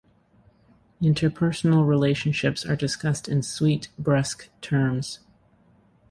Interpersonal relationships are discussed in sweet, brusque terms.